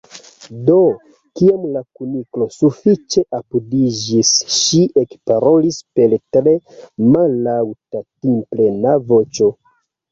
Do, kiam la Kuniklo sufiĉe apudiĝis, ŝi ekparolis per tre mallaŭta timplena voĉo.